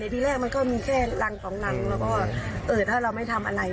ทีแรกมันก็มีแค่รังสองรังแล้วก็ถ้าเราไม่ทำอะไร